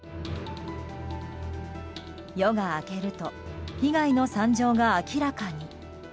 夜が明けると被害の惨状が明らかに。